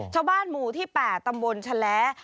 ชาวบ้านหมู่ที่๘ตำบลชะแล้